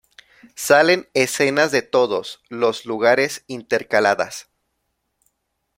Salen escenas de todos los lugares intercaladas.